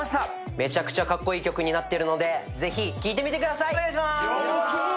めちゃくちゃかっこいい曲になっているのでぜひ聴いてみてください。